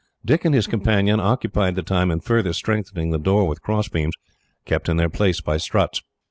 Dick and his companion occupied the time in further strengthening the door with crossbeams, kept in their place by struts.